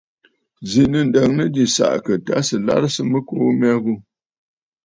Zǐ nɨ̂ ǹdəŋnə jì sàʼàkə̀ tâ sɨ̀ larɨsə mɨkuu mya ghu.